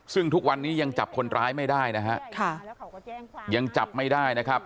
ซึ่งทุกวันนี้ยังจับคนร้ายไม่ได้นะฮะค่ะยังจับไม่ได้นะครับ